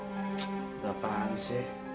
mas apaan sih